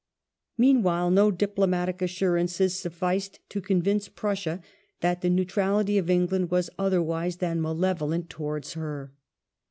Meanwhile, no diplomatic assurances sufficed to convince Prussia that the neutrality of England was otherwise than malevolent towards her.